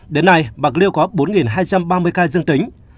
đến nay bạc liêu có bốn hai trăm ba mươi ca dương tính